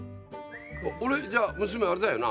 俺じゃあ娘あれだよな？